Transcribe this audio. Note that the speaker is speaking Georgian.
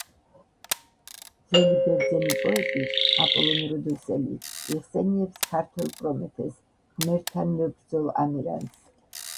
ძველი ბერძენი პოეტი აპოლონ როდოსელი იხსენიებს ქართველ პრომეთეს–ღმერთთანმებრძოლ ამირანს.